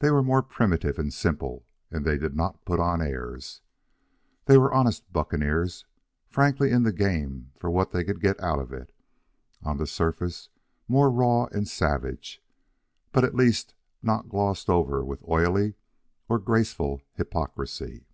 They were more primitive and simple, and they did not put on airs. They were honest buccaneers, frankly in the game for what they could get out of it, on the surface more raw and savage, but at least not glossed over with oily or graceful hypocrisy.